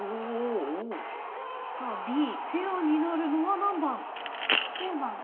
さあＢペアになるのは何番？